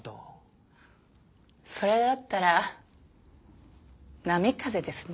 それだったら波風ですね。